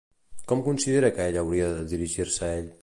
Com considera que ella hauria de dirigir-se a ell?